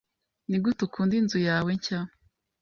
Nigute ukunda inzu yawe nshya?